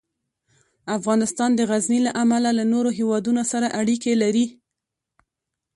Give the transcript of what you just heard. افغانستان د غزني له امله له نورو هېوادونو سره اړیکې لري.